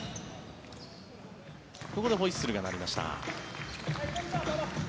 ここでホイッスルが鳴りました。